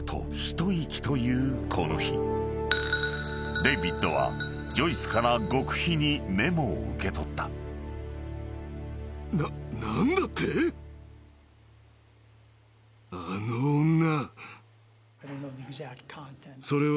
［デイビッドはジョイスから極秘にメモを受け取った］それは。